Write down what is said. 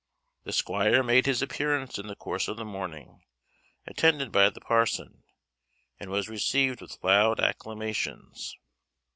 The squire made his appearance in the course of the morning, attended by the parson, and was received with loud acclamations.